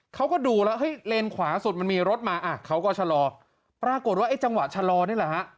เขาก็ดูแล้วเฮ้ยเลนขวาสุดมันมีรถมาอ่ะเขาก็ชะลอปรากฏว่าไอ้จังหวะชะลอนี่แหละฮะ